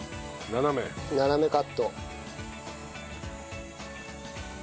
斜めカット。